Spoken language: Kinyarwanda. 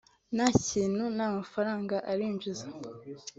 nta kintu nta mafaranga arinjiza